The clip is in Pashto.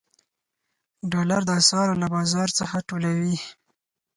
ډالر د اسعارو له بازار څخه ټولوي.